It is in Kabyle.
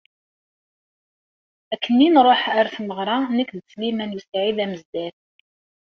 Akken i nṛuḥ ar tmeɣṛa nekk d Sliman u Saɛid Amezdat.